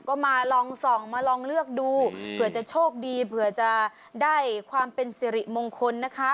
ก็มาลองส่องมาลองเลือกดูเผื่อจะโชคดีเผื่อจะได้ความเป็นสิริมงคลนะคะ